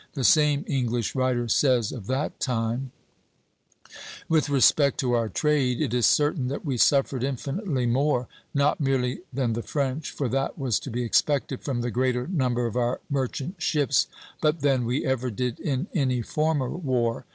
The same English writer says of that time: "With respect to our trade it is certain that we suffered infinitely more, not merely than the French, for that was to be expected from the greater number of our merchant ships, but than we ever did in any former war....